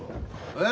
え？